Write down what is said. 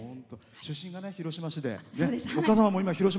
出身が広島市で。